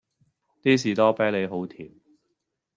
D 士多啤利好甜